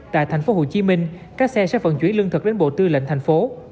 tại thành phố hồ chí minh các xe sẽ vận chuyển lương thực đến bộ tư lệnh thành phố